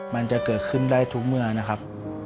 มันจะเกิดขึ้นได้ทุกเมื่อนะครับ